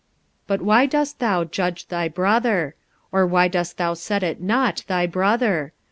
45:014:010 But why dost thou judge thy brother? or why dost thou set at nought thy brother?